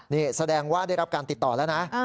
นี่แสดงว่าได้รับการติดต่อแล้วนะ